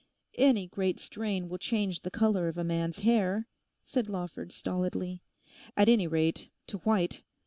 'Any great strain will change the colour of a man's hair,' said Lawford stolidly; 'at any rate, to white.